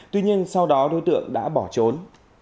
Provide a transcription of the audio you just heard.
tuy nhiên sau đó đối tượng đã bỏ trốn